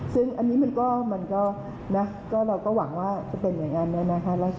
ซึ่งเราก็หวังว่าจะเป็นอย่างนั้น